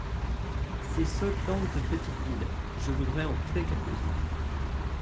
Ces sottes langues de petites villes ! je voudrais en couper quelques-unes !